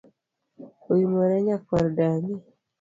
Oimore nyakuar dani